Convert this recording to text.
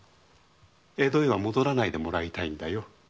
江戸へは戻らないでもらいたいんだよ。